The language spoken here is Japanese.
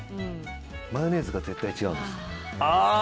マヨネーズが絶対違うんです。